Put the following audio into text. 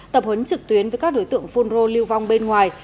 tập huấn trực tuyến với các đối tượng phun rô lưu vong bên ngoài